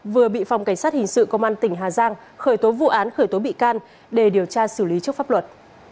vừa bị phòng cảnh sát hình sự công an tỉnh hà giang khởi tố vụ án khởi tố bị can để điều tra xử lý trước pháp luật